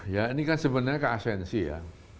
ya ini kan sebenarnya keasensi ya